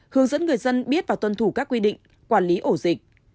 hướng dẫn người dân biết và tuân thủ các quy định quản lý ổ dịch